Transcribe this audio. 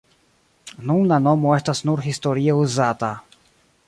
Nun la nomo estas nur historie uzata.